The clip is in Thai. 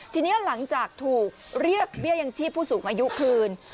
ทีนี้หลังจากถูกเรียกเบี้ยยังชีพผู้สูงอายุคืน